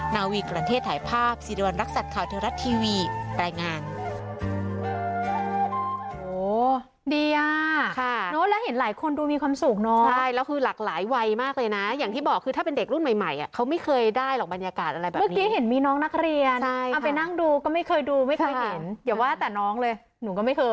นาวีประเทศถ่ายภาพสิริวัณรักษัตริย์ข่าวเทวรัฐทีวีรายงาน